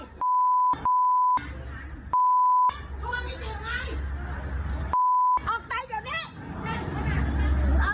ทุกคนพี่เจ๋งไง